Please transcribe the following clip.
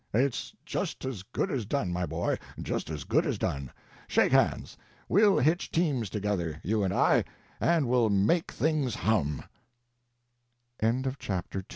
"It's just as good as done, my boy, just as good as done. Shake hands. We'll hitch teams together, you and I, and we'll make things hum!" CHAPTER III.